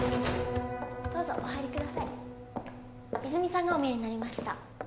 どうぞお入りください泉さんがおみえになりました